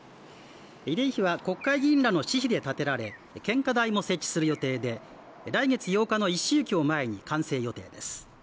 慰霊碑は国会議員らの私費で建てられ献花台も設置する予定で、来月８日の一周忌を前に完成予定です。